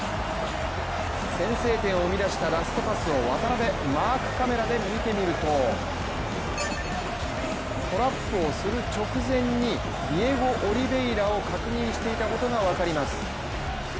先制点を生み出したラストパスを渡邊マークカメラで見てみるとトラップをする直前にディエゴ・オリヴェイラを確認していたことが分かります。